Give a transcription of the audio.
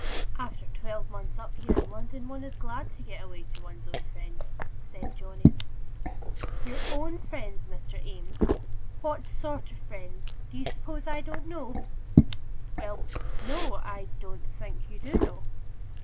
"After twelve months up here in London one is glad to get away to one's own friends," said Johnny. "Your own friends, Mr. Eames! What sort of friends? Do you suppose I don't know?" "Well, no. I don't think you do know."